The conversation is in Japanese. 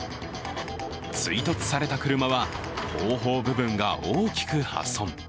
追突された車は、後方部分が大きく破損。